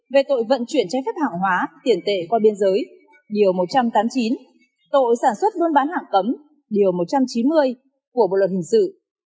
về tội vận chuyển trái phép hàng hóa tiền tệ qua biên giới điều một trăm tám mươi chín tội sản xuất buôn bán hạng cấm điều một trăm chín mươi của bộ luật hình sự